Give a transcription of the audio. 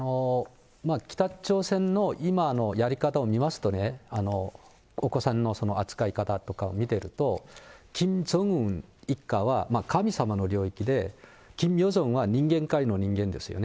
北朝鮮の今のやり方を見ますとね、お子さんの扱い方とかを見てると、キム・ジョンウン一家は神様の領域で、キム・ヨジョンは人間界の人間ですよね。